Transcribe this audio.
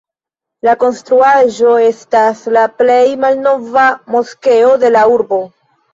La konstruaĵo estas la plej malnova moskeo de la urbo.